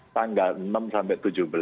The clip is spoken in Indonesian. tanggal enam sampai tujuh belas